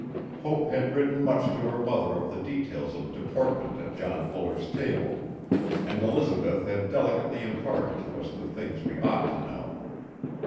Hope had written much to her mother of the details of deportment at John Fuller's table, and Elizabeth had delicately imparted to us the things we ought to know.